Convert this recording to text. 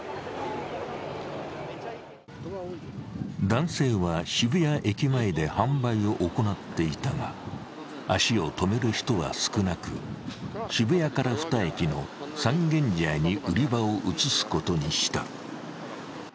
男性は渋谷駅前で販売を行っていたが、足を止める人は少なく渋谷から２駅の三軒茶屋に売り場を移すことにした。